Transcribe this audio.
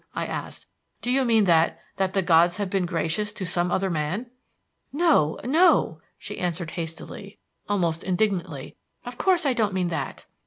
I asked. "Do you mean that that the gods have been gracious to some other man?" "No, no," she answered hastily almost indignantly, "of course I don't mean that."